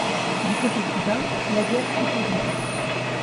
Du côté cubain, la guerre fut terrible.